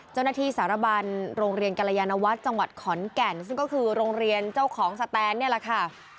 เจ้าหน้าที่สารบันโรงเรียนกรยานวัฒน์จังหวัดขอนแก่นซึ่งก็คือโรงเรียนเจ้าของสแตนนี่แหละค่ะ